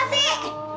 eh lo apa sih